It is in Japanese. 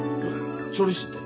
調理師って？